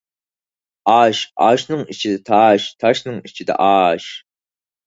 ئاش ئاشنىڭ ئىچىدە تاش تاشنىڭ ئىچىدە ئاش